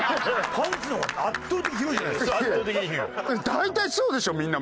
大体そうでしょみんな。